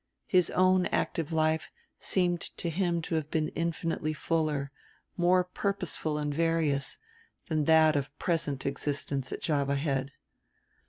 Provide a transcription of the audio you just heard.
His own active life seemed to him to have been infinitely fuller, more purposeful and various, than that of present existence at Java Head.